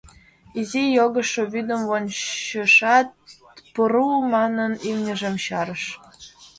Изи йогышо вӱдым вончышат, тпру-у манын, имньыжым чарыш.